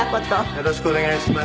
よろしくお願いします。